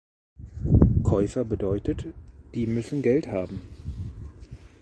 Käufer bedeutet, die müssen Geld haben.